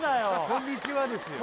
「こんにちは」ですよ